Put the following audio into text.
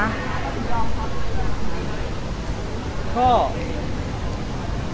พี่เต๋อพร้อมตามใจไหมคะ